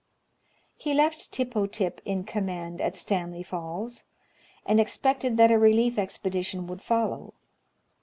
He le^ Tippo Tip in command at Stanley Falls, and expected that a relief expedition would follow.